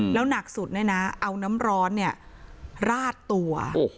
แล้วหนักสุดเนี่ยนะเอาน้ำร้อนราดตัว